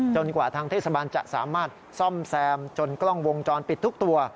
กว่าทางเทศบาลจะสามารถซ่อมแซมจนกล้องวงจรปิดทุกตัว